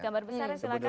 gambar besarnya silahkan